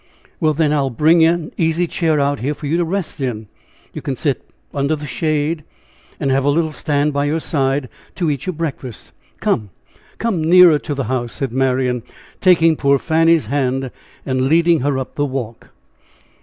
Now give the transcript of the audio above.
"Well, then I will bring an easy chair out here for you to rest in you can sit under the shade, and have a little stand by your side, to eat your breakfast. Come; come nearer to the house," said Marian, taking poor Fanny's hand, and leading her up the walk.